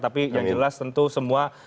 tapi yang jelas tentu semua